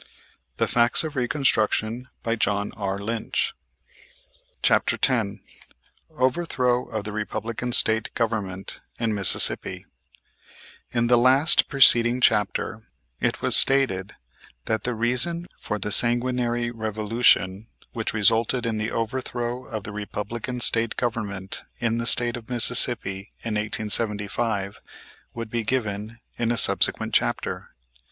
That question will be answered in a subsequent chapter. CHAPTER X OVERTHROW OF THE REPUBLICAN STATE GOVERNMENT IN MISSISSIPPI In the last preceding chapter it was stated that the reason for the sanguinary revolution, which resulted in the overthrow of the Republican state government in the State of Mississippi in 1875, would be given in a subsequent chapter.